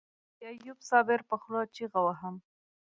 او د ايوب صابر په خوله چيغه وهم.